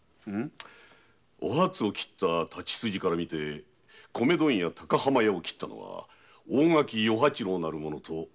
おはつを斬った太刀筋からみて米問屋・高浜屋を斬ったのは大垣与八郎なる者とわかりました。